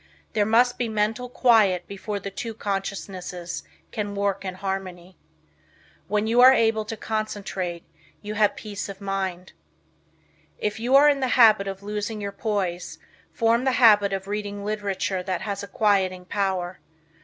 There must be mental quiet before the two consciousnesses can work in harmony. When you are able to concentrate you have peace of mind. If you are in the habit of losing your poise, form the habit of reading literature that has a quieting power.